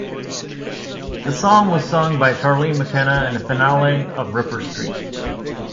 The song was sung by Charlene McKenna in the finale of "Ripper Street".